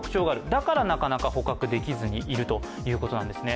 だからなかなか捕獲できずにいるということなんですね。